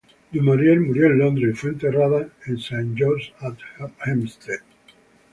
Du Maurier murió en Londres y fue enterrado en St John-at-Hampstead.